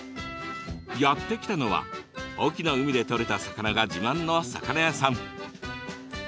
やって来たのは隠岐の海でとれた魚が自慢の魚屋さん。